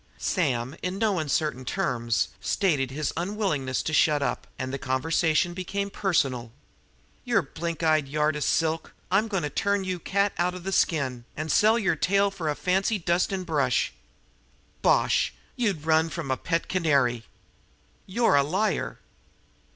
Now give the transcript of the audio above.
Sam, in no uncertain terms, stated his unwillingness to shut up, and the conversation became personal. "Yer blink eyed yard er silk, I'm a goin' to turn you cat out the skin an' sell yer tail fer a fancy dustin' brush!" "Bosh! You'd run from a pet canary." "You're a liar!"